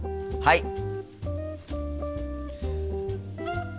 はい！